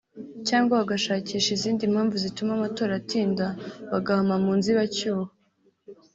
cyangwa bagashakisha izindi mpamvu zituma amatora atinda bagahama mu nzibacyuho